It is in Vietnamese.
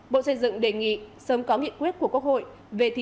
bộ xây dựng đề nghị sớm có nghị quyết của quốc hội